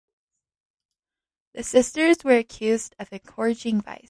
The sisters were accused of "encouraging vice".